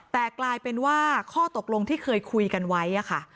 แต่กลายเป็นว่าข้อตกลงที่เคยคุยกันไว้ค่ะ